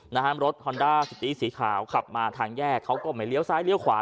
นะฮะรถสีขาวขับมาทางแยกเขาก็ไม่เลี้ยวซ้ายเลี้ยวขวา